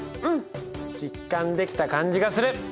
うん！実感できた感じがする。